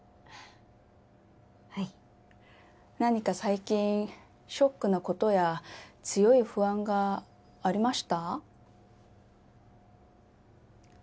はい何か最近ショックなことや強い不安がありました？